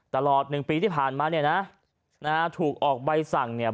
ตลอดหนึ่งปีที่ผ่านมาเนี่ยนะนะฮะถูกออกใบสั่งเนี่ย